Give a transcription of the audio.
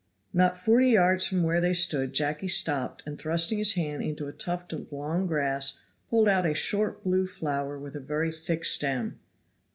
Not forty yards from where they stood Jacky stopped and thrusting his hand into a tuft of long grass pulled out a short blue flower with a very thick stem.